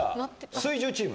水１０チーム。